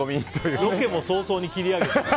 ロケも早々に切り上げて。